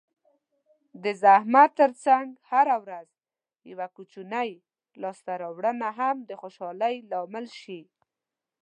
د زحمت ترڅنګ هره ورځ یوه کوچنۍ لاسته راوړنه هم د خوشحالۍ لامل شي.